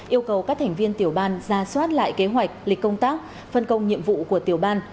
yêu cầu các thành viên tiểu ban ra soát lại kế hoạch lịch công tác phân công nhiệm vụ của tiểu ban